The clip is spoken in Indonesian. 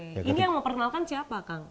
ini yang mau perkenalkan siapa kang